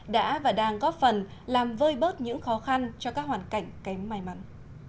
đã và đang góp phần làm vơi bớt những khó khăn cho các hoàn cảnh kém may mắn